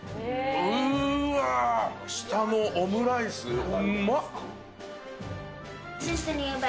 うわー、下もオムライス、うんまっ。